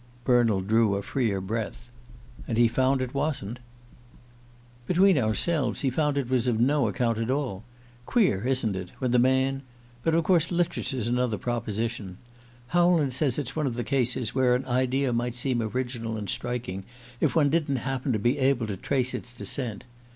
'" Bernald drew a freer breath. "And he found it wasn't?" "Between ourselves, he found it was of no account at all. Queer, isn't it, when the man ... but of course literature's another proposition. Howland says it's one of the cases where an idea might seem original and striking if one didn't happen to be able to trace its descent.